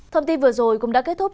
thông tin vừa rồi cũng đã kết thúc